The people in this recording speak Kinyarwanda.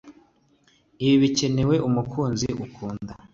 Ibi bikenewe umukunzi ukundwa